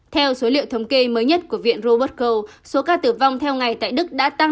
theo số liệu thống kê mới nhất của viện robert gold số ca tử vong theo ngày tại đức đã tăng